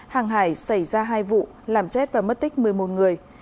hàng hải xảy ra hai vụ làm chết và mất tích một mươi một người